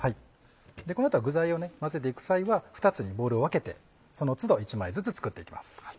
この後は具材を混ぜていく際は２つにボウルを分けてその都度１枚ずつ作っていきます。